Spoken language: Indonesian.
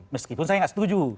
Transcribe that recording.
meskipun saya tidak setuju